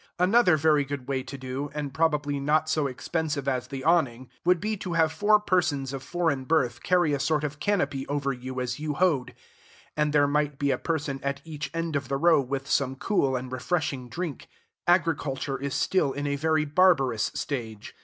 Another very good way to do, and probably not so expensive as the awning, would be to have four persons of foreign birth carry a sort of canopy over you as you hoed. And there might be a person at each end of the row with some cool and refreshing drink. Agriculture is still in a very barbarous stage.